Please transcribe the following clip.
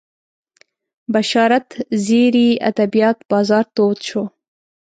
بشارت زیري ادبیات بازار تود شو